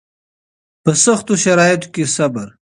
په سختو شرایطو کې صبر